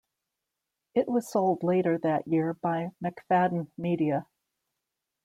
It was sold later that year by Macfadden Media.